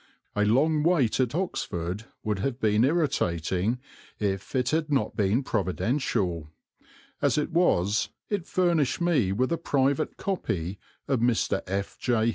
A long wait at Oxford would have been irritating if it had not been providential; as it was it furnished me with a private copy of Mr. F. J.